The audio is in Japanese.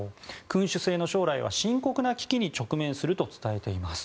君主制の将来は深刻な危機に直面すると伝えています。